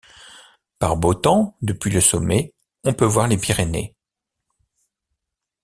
Par beau temps, depuis le sommet, on peut voir les Pyrénées.